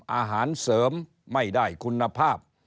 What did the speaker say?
อาหารเสริมไม่ได้คุณภาพ